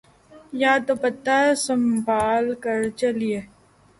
یا دوپٹہ سنبھال کر چلئے